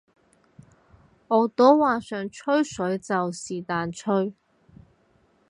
我都話想吹水就是但吹